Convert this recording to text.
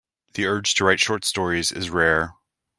The urge to write short stories is rare.